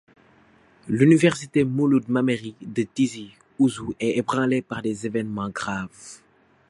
L'Université Mouloud Mammeri de Tizi Ouzou est ébranlée par des événements graves.